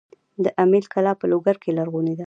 د امیل کلا په لوګر کې لرغونې ده